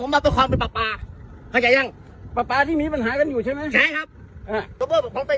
มาต่อความเป็นปลาปลาเข้าใจยังปลาปลาที่มีปัญหากันอยู่ใช่ไหมใช่ครับ